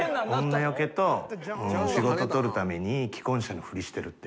女よけと仕事取るために既婚者のふりしてるって。